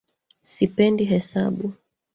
Sipendi hesabu